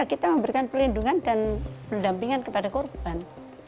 kita memberikan pelindungan dan pendampingan kepada korban